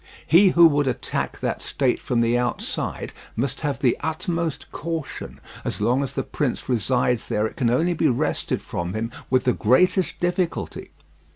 He who would attack that state from the outside must have the utmost caution; as long as the prince resides there it can only be wrested from him with the greatest difficulty.